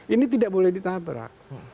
ini tidak boleh ditabrak